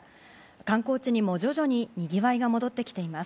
観光地にも徐々ににぎわいが戻ってきています。